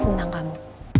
hoax tentang kamu